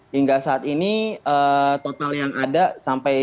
hingga saat ini total yang ada sampai